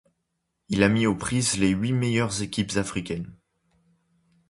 Il a mis aux prises les huit meilleures équipes africaines.